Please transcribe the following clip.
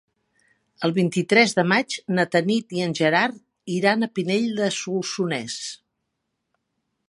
El vint-i-tres de maig na Tanit i en Gerard iran a Pinell de Solsonès.